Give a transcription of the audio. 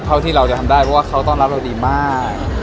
เท่าที่เราจะทำได้เพราะว่าเขาต้อนรับเราดีมาก